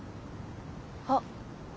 あっ。